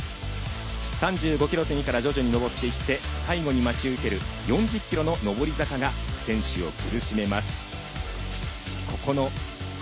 ３５ｋｍを過ぎから徐々に上っていって最後に待ち受ける４０ｋｍの上り坂が選手を苦しめます。